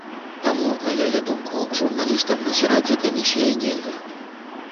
Таму, на яе думку, журналістам назіраць за камісіяй нельга.